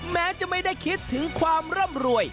แม้จะไม่ได้คิดถึงความร่ำรวย